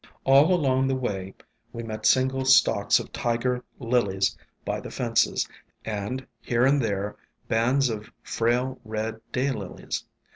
All along the way we met single stalks of Tiger Lilies by the fences, and here and there bands of frail Red Day Lilies.